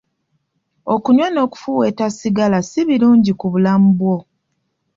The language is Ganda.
Okunywa n'okufuuweeta sigala si birungi ku bulamu bwo.